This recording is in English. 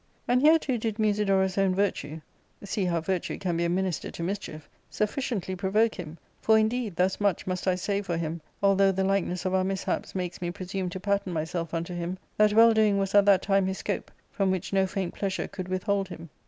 " And hereto did Musidorus' own virtue — see how virtue can be a minister to mischief— sufficiently provoke him ; for, indeed, thus much must I say for him, although the likeness of our mishaps makes me presume to pattern myself unto him, that well doing was at that time his scope, from which no faint pleasure could withhold him.